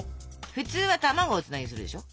普通は卵をつなぎにするでしょ。